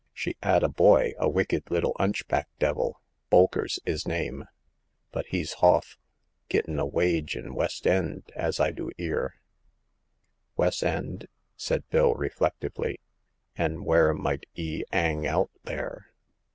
*' She 'ad a boy, a wicked little 'unchback devil ; Bolker's 'is name. But he's hofE ; gitting a wage in West end, as I do 'ear." "Wes' end?" said Bill, reflectively. '*An' where might 'e 'ang out there